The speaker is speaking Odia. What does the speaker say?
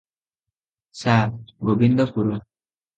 ସା: ଗୋବିନ୍ଦପୁର ।